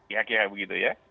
kira kira begitu ya